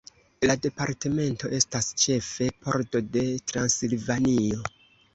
La departamento estas ĉefa pordo de Transilvanio.